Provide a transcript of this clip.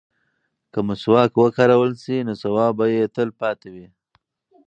که مسواک وکارول شي نو ثواب به یې تل پاتې وي.